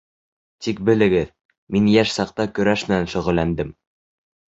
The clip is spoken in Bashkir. Тик белегеҙ: мин йәш саҡта көрәш менән шөғөлләндем.